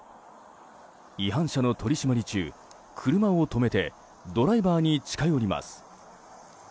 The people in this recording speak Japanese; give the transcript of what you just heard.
違反車の取り締まり中車を止めてドライバーに近寄ります。